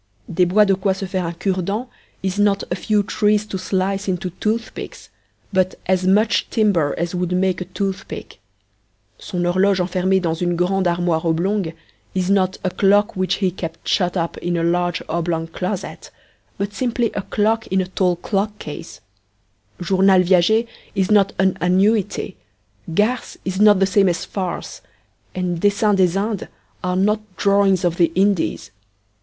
'Des bois de quoi se faire un cure dent' is not 'a few trees to slice into toothpicks,' but 'as much timber as would make a toothpick'; 'son horloge enfermee dans une grande armoire oblongue' is not 'a clock which he kept shut up in a large oblong closet' but simply a clock in a tall clock case; 'journal viager' is not 'an annuity,' 'garce' is not the same as 'farce,' and 'dessins des Indes' are not 'drawings of the Indies.'